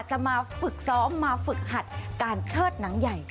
จะมาฝึกซ้อมมาฝึกหัดการเชิดหนังใหญ่